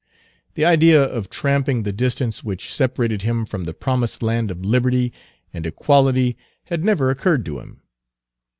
The idea of tramping the distance which separated him from the promised land of liberty and equality had never occurred to him.